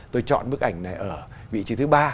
tôi chọn bức ảnh này ở vị trí thứ ba